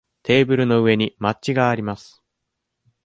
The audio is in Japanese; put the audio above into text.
テーブルの上にマッチがあります。